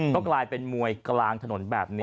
ก็กลายเป็นมวยกลางถนนแบบนี้